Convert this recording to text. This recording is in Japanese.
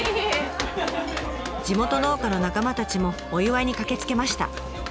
地元農家の仲間たちもお祝いに駆けつけました。